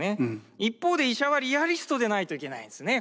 一方で医者はリアリストでないといけないんですね